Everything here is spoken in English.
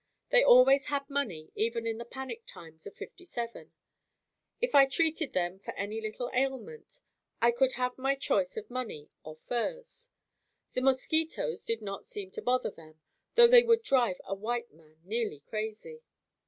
They always had money even in the panic times of '57. If I treated them for any little ailment, I could have my choice of money or furs. The mosquitoes did not seem to bother them, though they would drive a white man nearly crazy.